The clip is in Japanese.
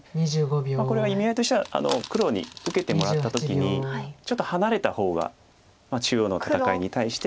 これは意味合いとしては黒に受けてもらった時にちょっと離れた方が中央の戦いに対して。